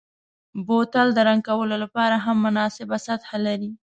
بوتل د رنګ کولو لپاره هم مناسبه سطحه لري.